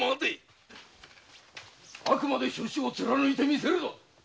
あくまで初志を貫いてみせるわ。